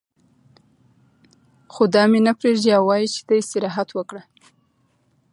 خو دا مې نه پرېږدي او وايي چې ته استراحت وکړه.